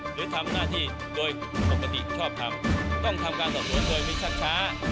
หรือทำหน้าที่โดยปกติชอบทำต้องทำการสอบสวนโดยไม่ชักช้า